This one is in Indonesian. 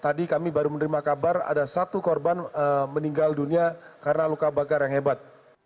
tadi kami baru menerima kabar ada satu korban meninggal dunia karena luka bakar yang hebat